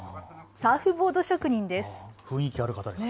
サーフボード職人です。